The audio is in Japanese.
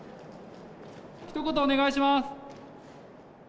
ひと言お願いします。